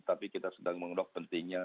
tapi kita sedang mengedok pentingnya